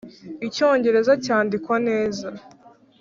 Icyongereza cyandikwa neza.